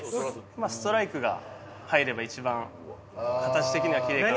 まあストライクが入れば一番形的にはキレイかなと。